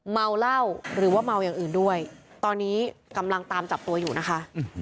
เมาเหล้าหรือว่าเมาอย่างอื่นด้วยตอนนี้กำลังตามจับตัวอยู่นะคะ